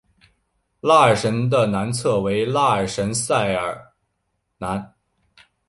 拉尔什的南侧为拉尔什圣塞尔南。